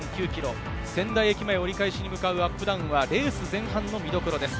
仙台駅前を折り返しに向かう、アップダウンはレース前半の見どころです。